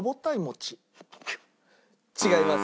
違います。